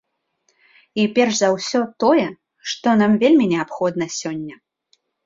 І перш за ўсё тое, што нам вельмі неабходна сёння.